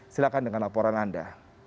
silakan dengan laporan anda